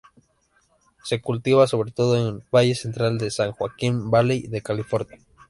Se cultiva sobre todo en el Valle Central y San Joaquin Valley de California.